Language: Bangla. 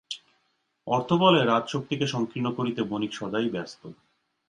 অর্থবলে রাজশক্তিকে সংকীর্ণ করিতে বণিক সদাই ব্যস্ত।